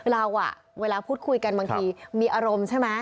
เราเวลาพูดคุยกันบางทีมีอารมณ์ใช่ไหม